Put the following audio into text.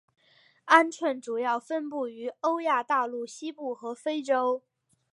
鹌鹑主要分布于欧亚大陆西部和非洲。